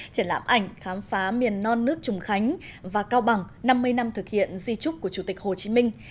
triển lãm ảnh khám phá miền non nước trùng khánh và cao bằng năm mươi năm thực hiện di trúc của chủ tịch hồ chí minh